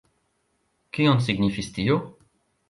Kion signifis tio?